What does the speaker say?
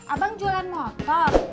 abang jualan motor